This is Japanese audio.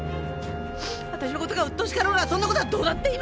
私の事がうっとうしかろうがそんな事はどうだっていいの！